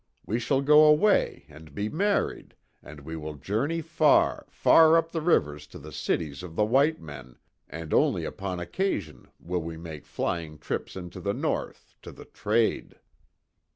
We shall go away and be married, and we will journey far, far up the rivers to the cities of the white men, and only upon occasion will we make flying trips into the North to the trade."